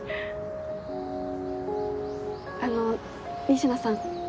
あの仁科さん。